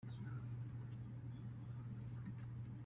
溫和沒有刺激性